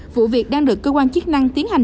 vụ việc đang được cơ quan chức năng tiến hành